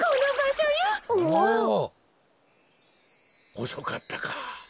おそかったか。